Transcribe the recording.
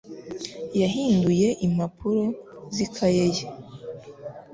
yahinduye impapuro z'ikaye ye.